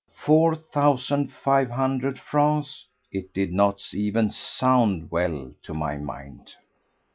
Four thousand five hundred francs!—it did not even sound well to my mind.